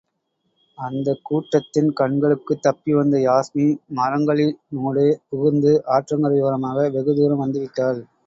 அந்தக் கூட்டத்தின் கண்களுக்குத் தப்பி வந்த யாஸ்மி, மரங்களினூடே புகுந்து ஆற்றங்கரையோரமாக வெகுதூரம் வந்து விட்டாள்.